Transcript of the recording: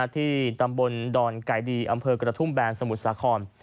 ที่ตำบลดอนไก่ดีอำเภอกระทุ่มแบนสมุทรสาคร